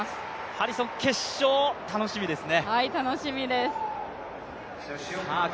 ハリソン決勝、楽しみですね